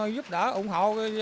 giúp đỡ ủng hộ